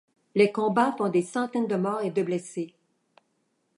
Les combats font des centaines de morts et de blessés.